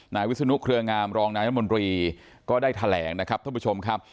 วิศนุเครืองามรองนายรัฐมนตรีก็ได้แถลงนะครับท่านผู้ชมครับ